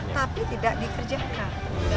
tapi tidak dikerjakan